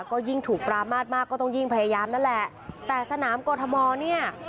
ก็ยิ่งถูกปรามาทมากก็ต้องยิ่งพยายามนั่นแหละแต่สนามกรทมเนี่ย